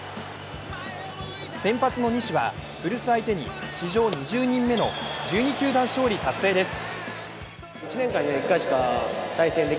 先発の西は古巣相手に史上２０年目の１２球団勝利達成です。